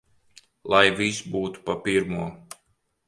Lai viss būtu pa pirmo!